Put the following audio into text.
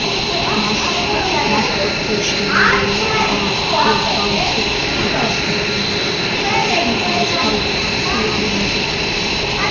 მას ზოგჯერ შეუძლია გადააქციოს თავისი ფანტაზია რეალობად, კარგად მღერის და უკრავს ვიოლინოზე.